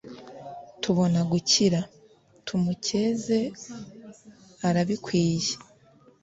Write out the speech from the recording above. tubona gukira, tumukeze arabikwiye